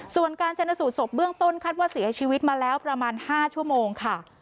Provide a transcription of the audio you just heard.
ส่วนการชนสูตรศพเบื้องต้นคาดว่าเสียชีวิตมาแล้วประมาณ๕ชั่วโมงค่ะ